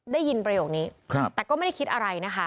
ได้ยินประโยคนี้แต่ก็ไม่ได้คิดอะไรนะคะ